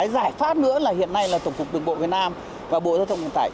giải pháp nữa là hiện nay là tổng cục đường bộ việt nam và bộ giao thông vận tải